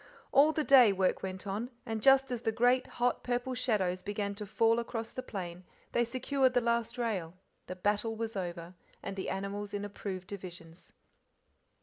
All the day work went on, and just as the great hot purple shadows began to fall across the plain they secured the last rail, the battle was over, and the animals in approved divisions.